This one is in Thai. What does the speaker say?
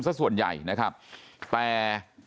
สักส่วนใหญ่นะครับแต่